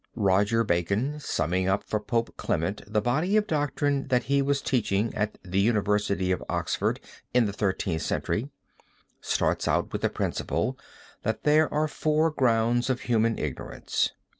Roger Bacon, summing up for Pope Clement the body of doctrine that he was teaching at the University of Oxford in the Thirteenth Century, starts out with the principle that there are four grounds of human ignorance.